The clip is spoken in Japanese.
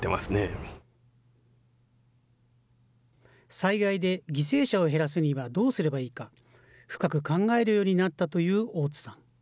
災害で犠牲者を減らすにはどうすればいいか、深く考えるようになったという大津さん。